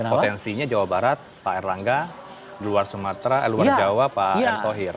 potensinya jawa barat pak erlangga luar jawa pak erkohir